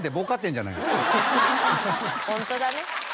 ホントだね。